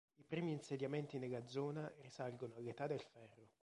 I primi insediamenti nella zona risalgono all'Età del Ferro.